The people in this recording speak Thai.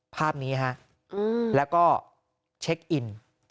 ภาพนี้ฮะแล้วก็เช็คอิน